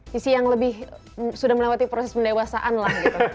sisi yang lebih sudah melewati proses pendewasaan lah gitu